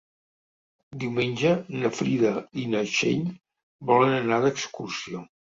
Diumenge na Frida i na Txell volen anar d'excursió.